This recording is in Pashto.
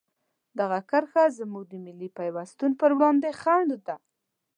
دغه کرښه زموږ د ملي پیوستون په وړاندې خنډ ده.